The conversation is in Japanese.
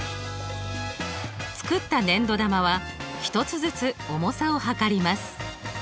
作った粘土玉は１つずつ重さを量ります。